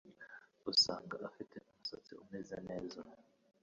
usanga afite umusatsi umeze neza